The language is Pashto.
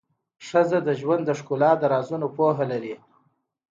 ښځه د ژوند د ښکلا د رازونو پوهه لري.